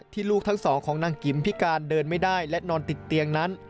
ลูกทั้งสองของนางกิมพิการเดินไม่ได้และนอนติดเตียงนั้น